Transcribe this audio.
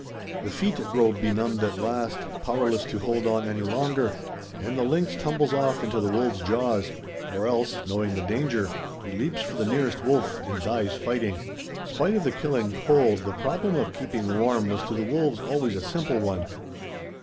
The feet grow benumbed at last, powerless to hold on any longer, and the lynx tumbles off into the wolves' jaws; or else, knowing the danger, he leaps for the nearest wolf and dies fighting. Spite of the killing cold, the problem of keeping warm was to the wolves always a simple one.